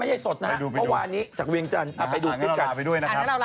ไม่ใช่สดนะครับเพราะวันนี้จากเวียงจันทร์